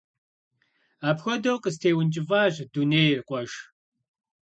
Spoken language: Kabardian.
Апхуэдэу къыстеункӀыфӀащ дунейр, къуэш.